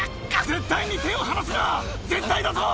絶対に手を離すな、絶対だぞ。